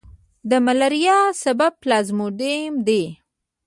د ملیریا سبب پلازموډیم دی.